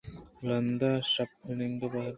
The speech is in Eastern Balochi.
رندا شپانک ءَ ہردیں کہ گِلّہ کُت